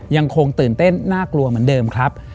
ยังคงตื่นเต้นน่ากลัวเหมือนเดิมครับ